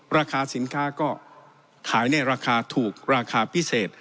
ราคาสินค้าก็ขายในราคาถูกราคาพิเศษ